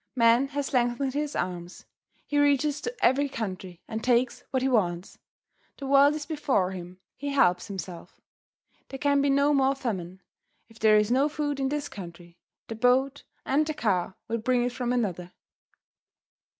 Man has lengthened his arms. He reaches to every country and takes what he wants; the world is before him; he helps himself. There can be no more famine. If there is no food in this country, the boat and the car will bring it from another.